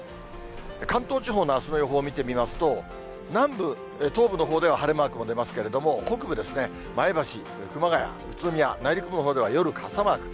関東地方のあすの予報を見てみますと、南部、東部のほうでは晴れマークも出ますけれども、北部ですね、前橋、熊谷、宇都宮、内陸部のほうでは夜、傘マーク。